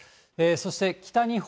そして北日本。